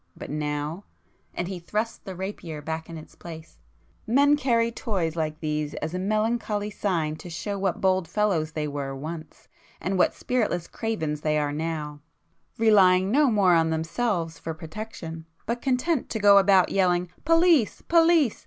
But now—" and he thrust the rapier back in its place—"men carry toys like these as a melancholy sign to show what bold fellows they were once, and what spiritless cravens they are now,—relying no more on themselves for protection, but content to go about yelling 'Police! Police!